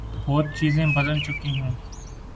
بہت چیزیں بدل چکی ہوں۔